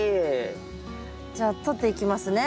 じゃあとっていきますね。